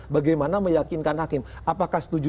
bagaimana meyakinkan hakim apakah setuju